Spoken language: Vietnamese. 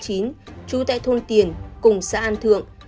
trú tại thôn tiền cùng xã an thượng